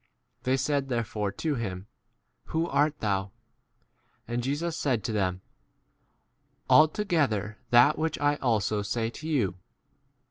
They said therefore to him, Who art thou' ? And Jesus said to them, Altogether 11 that which I also say J to you.